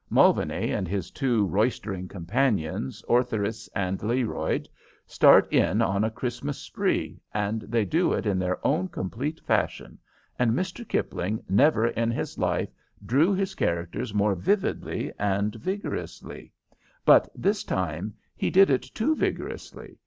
Mulvaney and his two roystering companions, Ortheris and Learoyd, start in on a Christmas spree, and they do it in their own complete fashion, and Mr. Kipling never in his life drew his characters more vividly and vigorously; but this time he did it too vigorously.